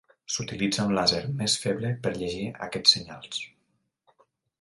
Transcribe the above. S'utilitza un làser més feble per llegir aquests senyals.